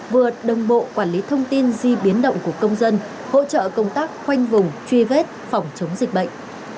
vừa đồng bộ quản lý thông tin di biến động của công dân hỗ trợ công tác khoanh vùng truy vết phòng chống dịch bệnh